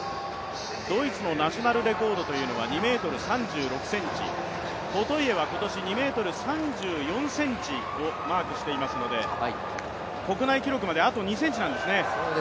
ドイツのナショナルレコードが２ｍ３６ｃｍ、ポトイエは今年２ｍ３４ｃｍをマークしていますので、国内記録まであと２ｃｍなんですね。